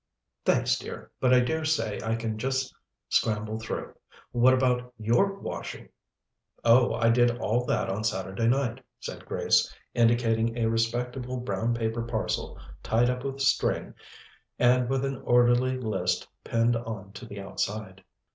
"Thanks, dear, but I dare say I can just scramble through. What about your washing?" "Oh, I did all that on Saturday night," said Grace, indicating a respectable brown paper parcel tied up with string and with an orderly list pinned on to the outside.